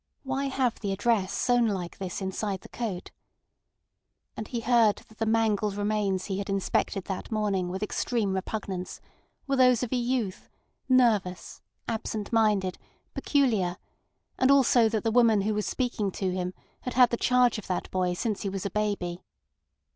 Why have the address sewn like this inside the coat? And he heard that the mangled remains he had inspected that morning with extreme repugnance were those of a youth, nervous, absent minded, peculiar, and also that the woman who was speaking to him had had the charge of that boy since he was a baby.